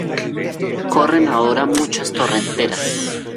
corren ahora muchas torrenteras.